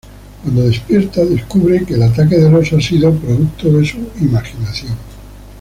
Cuando despierta, descubre que el ataque del oso ha sido producto de su imaginación.